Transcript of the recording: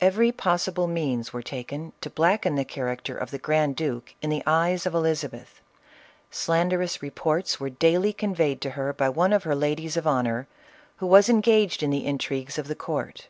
Every possible means were taken to blacken the character of the grand duke in the eyes of Elizabeth. Slanderous reports were daily conveyed to her by one of her ladies of honor, who was engaged in the intrigues of the court.